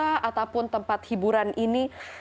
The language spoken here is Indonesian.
apakah tempat wisata ataupun tempat hiburan ini